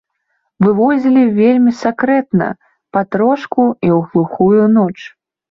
Вывозілі вельмі сакрэтна, патрошку і ў глухую ноч.